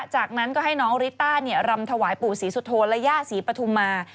จากนั้นก็ให้น้องริต้ารำถวายปู่ศรีสุโธนและย่าศรีปฐุมา